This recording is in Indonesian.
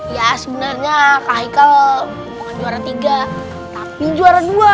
ya sebenarnya yikel bukan juara tiga tapi juara dua